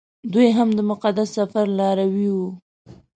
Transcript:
دوی هم د مقدس سفر لاروي وو.